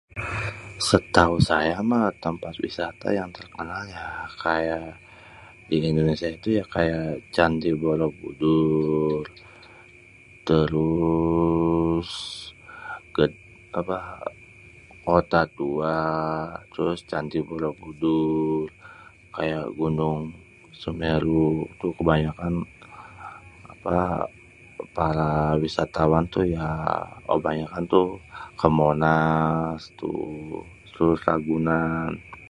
Setau saya mah tempat wisata yang terkenal ya kaya di Indonesia ituh ya kayak Candi Borobudur terus eee apa Kota Tua , terus Candi Borobudur, kaya Gunung Semeru tu kebanyakan apa para wisatawan tu ya kebanyakan tu ke Monas terus Ragunan.